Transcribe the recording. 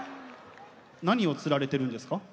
何を釣られてるんですか？